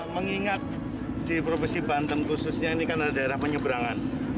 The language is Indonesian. mengingat di profesi banten khususnya ini karena daerah penyebrangan